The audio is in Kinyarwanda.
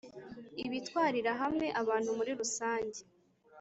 ibitwarira hamwe abantu muri rusange